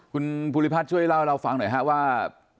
คุณภูริพัฒน์ช่วยเล่าให้เราฟังหน่อยฮะว่า